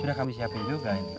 sudah kami siapin juga